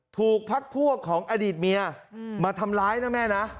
พักพวกของอดีตเมียมาทำร้ายนะแม่นะ